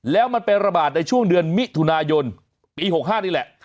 แล้วมันไประบาดในช่วงเดือนมิถุนายนปี๖๕นี่แหละ